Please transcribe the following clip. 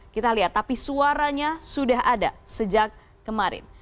kita lihat tapi suaranya sudah ada sejak kemarin